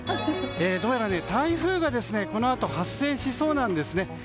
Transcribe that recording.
どうやら台風がこのあと発生しそうなんです。